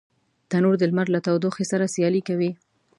تنور د لمر له تودوخي سره سیالي کوي